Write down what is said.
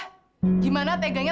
bagaimana teganya tante fresno